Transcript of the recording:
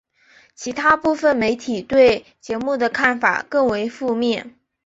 其它部分媒体对节目的看法更为负面。